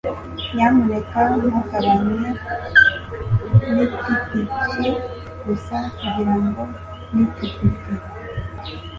nyamuneka ntugabanye nitipiki gusa kugirango nitipike